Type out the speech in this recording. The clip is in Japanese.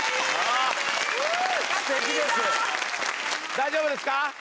大丈夫ですか？